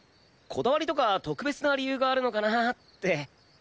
こだわりとか特別な理由があるのかなって。